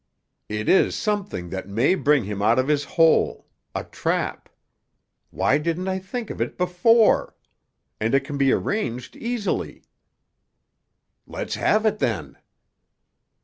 "It is something that may bring him out of his hole—a trap! Why didn't I think of it before? And it can be arranged easily." "Let's have it, then."